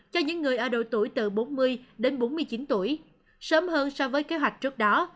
cho những người ở độ tuổi từ bốn mươi đến bốn mươi chín tuổi sớm hơn so với kế hoạch trước đó